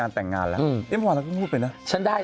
ถ้าเธอไม่มีถ้าเธออ่านข่าวไปได้